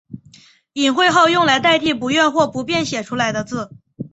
隐讳号用来代替不愿或不便写出来的字。